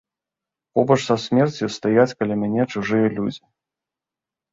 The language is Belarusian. Побач са смерцю стаяць каля мяне чужыя людзі.